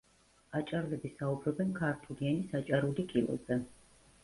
აჭარლები საუბრობენ ქართული ენის აჭარული კილოზე.